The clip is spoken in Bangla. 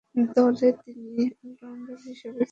দলে তিনি অল-রাউন্ডার হিসেবে ছিলেন।